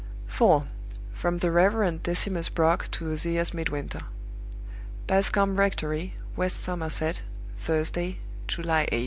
4. From the Reverend Decimus Brock to Ozias Midwinter. "Bascombe Rectory, West Somerset, Thursday, July 8.